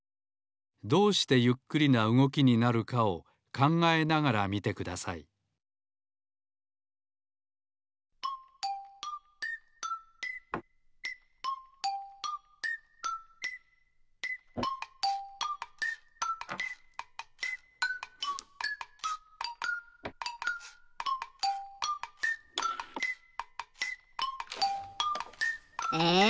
どうしてゆっくりなうごきになるかを考えながら見てくださいえ